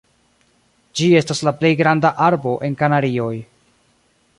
Ĝi estas la plej granda arbo en Kanarioj.